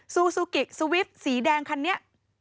ซูซูกิสวิตช์สีแดงคันนี้